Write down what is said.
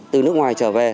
từ nước ngoài trở về